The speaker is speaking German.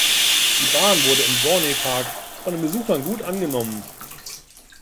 Die Bahn wurde im Dorney Park von den Besuchern gut angenommen.